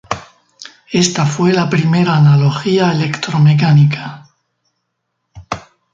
Esta fue la primera analogía electromecánica.